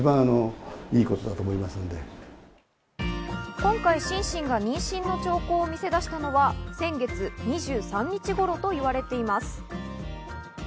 今回、シンシンが妊娠の兆候を見せだしたのは先月２３日頃と言われています。